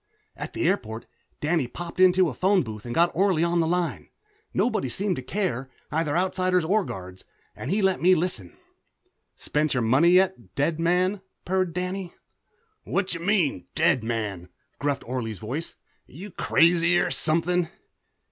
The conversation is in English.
At the airport Danny popped into a phone booth and got Orley on the line nobody seemed to care, either Outsiders or guards and he let me listen. "Spent your money yet, dead man?" purred Danny. "Whacha mean, dead man?" gruffed Orley's voice. "You crazy or something?"